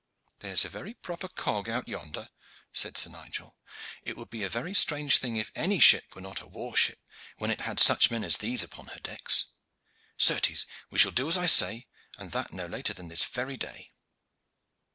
"There is a very proper cog out yonder," said Sir Nigel, "it would be a very strange thing if any ship were not a war ship when it had such men as these upon her decks. Certes, we shall do as I say, and that no later than this very day."